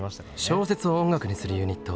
「小説を音楽にするユニット」